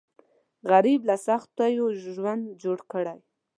غریب له سختیو ژوند جوړ کړی